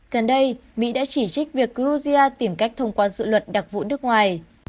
gần đây mỹ đã chỉ trích việc georgia tìm cách thông qua dự luật đặc vụ nước ngoài